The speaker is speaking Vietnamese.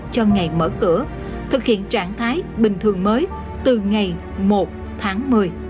cho ngày mở cửa thực hiện trạng thái bình thường mới từ ngày một tháng một mươi